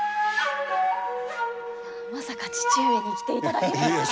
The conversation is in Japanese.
まさか父上に来ていただけるとは。